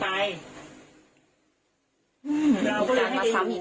แกไม่น่าทำแบบนี้